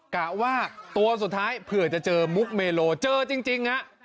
กะว่าตัวสุดท้ายเผื่อจะเจอมุกเมโลเจอจริงฮะ